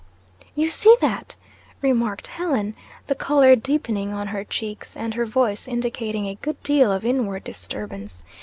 "You see that!" remarked Helen, the color deepening on her cheeks, and her voice indicating a good deal of inward disturbance.